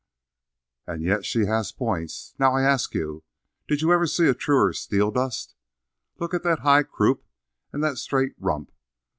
"And yet she has points. Now, I ask you, did you ever see a truer Steeldust? Look at that high croup and that straight rump.